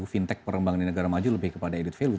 fintech perembangan di negara maju lebih kepada edit value